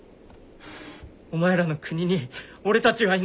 お前らの国に俺たちはいない。